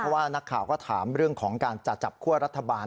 เพราะว่านักข่าวก็ถามเรื่องของการจะจับคั่วรัฐบาล